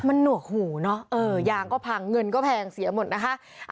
มันหนวกหูเนอะยางก็พังเงินก็แพงเสียหมดนะคะ